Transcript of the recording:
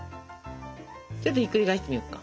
ちょっとひっくり返してみようか。